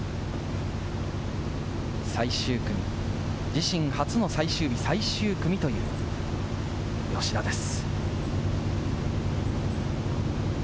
最終組、自身初の最終日、最終組という吉田です。